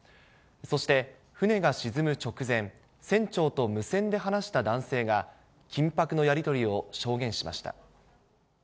そして船が沈む直前、船長と無線で話した男性が、緊迫のやり取りを証言しました。